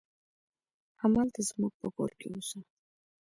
همالته زموږ په کور کې اوسه.